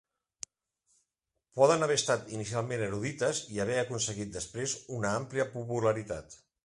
Poden haver estat inicialment erudites i haver aconseguit després una àmplia popularitat.